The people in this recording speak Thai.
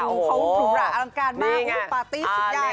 เขาหรูหราอลังการมากปาร์ตี้สุดใหญ่